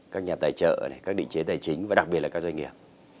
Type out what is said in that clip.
các nhà tài trợ các định chế tài chính và đặc biệt là các doanh nghiệp